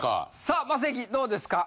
さあマセキどうですか？